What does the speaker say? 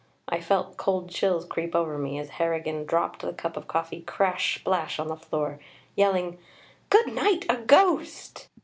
I felt cold chills creep over me, as Harrigan dropped the cup of coffee crash splash on the floor, yelling: "Good night! A ghost!"